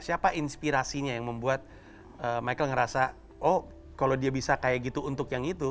siapa inspirasinya yang membuat michael ngerasa oh kalau dia bisa kayak gitu untuk yang itu